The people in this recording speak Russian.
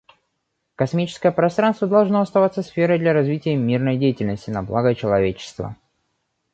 Космическое пространство должно оставаться сферой для развития мирной деятельности на благо человечества.